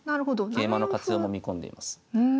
桂馬の活用も見込んでいます。